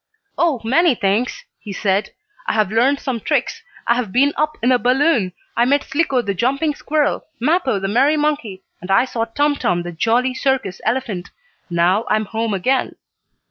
"Oh, many things," he said. "I have learned some tricks, I have been up in a balloon, I met Slicko the jumping squirrel, Mappo, the merry monkey, and I saw Tum Tum, the jolly circus elephant. Now I am home again."